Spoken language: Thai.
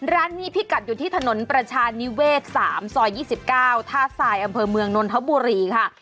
ร้านนี้พิกัดอยู่ที่ถนนประชานิเวศ๓ซอย๒๙ท่าทรายอำเภอเมืองนนทบุรีค่ะ